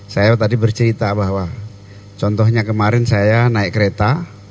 saya tadi bercerita bahwa contohnya kemarin saya naik kereta